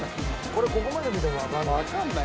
これここまで見てもわかんない。